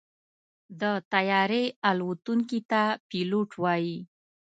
د طیارې الوتونکي ته پيلوټ وایي.